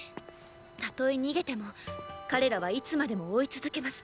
たとえ逃げても彼らはいつまでも追い続けます。